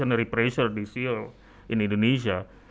tekanan pengaruh ini di indonesia